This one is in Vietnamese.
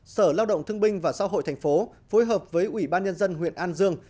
sở lao động thương binh và xã hội thành phố phối hợp với ủy ban nhân dân huyện an dương